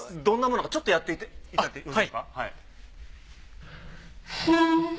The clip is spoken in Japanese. どんなものなのかちょっとやっていただいて。